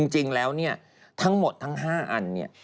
จริงแล้วทั้งหมดทั้ง๕อัน